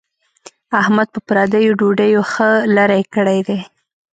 احمد په پردیو ډوډیو ښه لری کړی دی.